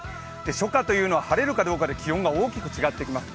初夏というのは晴れるかどうかで気温が大きく違ってきます。